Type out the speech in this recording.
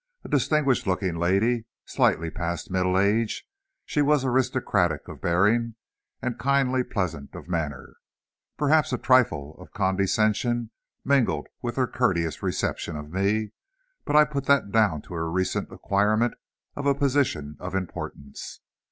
A distinguished looking lady, slightly past middle age, she was aristocratic of bearing and kindly pleasant of manner. Perhaps a trifle of condescension mingled with her courteous reception of me, but I put that down to her recent acquirement of a position of importance.